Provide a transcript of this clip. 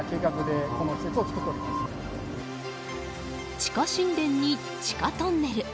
地下神殿に地下トンネル。